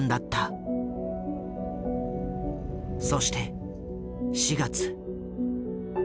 そして４月。